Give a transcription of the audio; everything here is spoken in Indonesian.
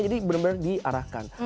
jadi benar benar diarahkan